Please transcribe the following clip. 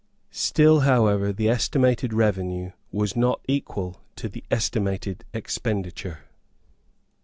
Still, however, the estimated revenue was not equal to the estimated expenditure.